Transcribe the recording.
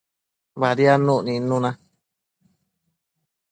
Badiadnuc nidnun na